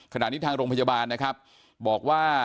ขนาดนี้ทางโรงพยาบาลนะครับบอกว่า